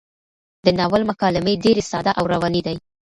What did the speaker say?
د ناول مکالمې ډېرې ساده او روانې دي.